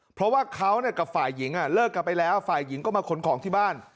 เพราะว่าเขากับฝ่ายหญิงเลิกกลับไปแล้วฝ่ายหญิงก็มาขนของที่บ้าน